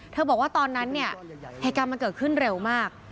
บอกว่าตอนนั้นเนี่ยเหตุการณ์มันเกิดขึ้นเร็วมาก